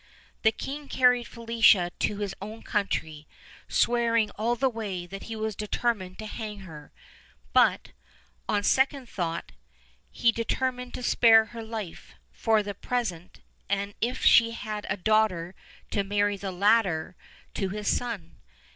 The king carried Felicia to his own country, swearing all the way that he was determined to hang her; but, on second thoughts, he determined to spare her life for the present, and if she had a daughter to marry the latter to his son.